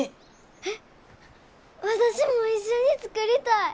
えっ私も一緒に作りたい！